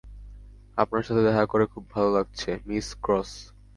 আপনার সাথে দেখা করে খুব ভাল লাগছে, মিস ক্রস।